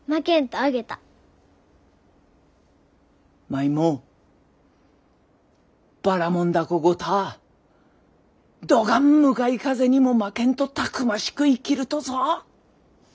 舞もばらもん凧ごたぁどがん向かい風にも負けんとたくましく生きるとぞ。